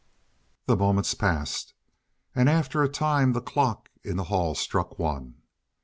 The moments passed, and after a time the clock in the hall struck one.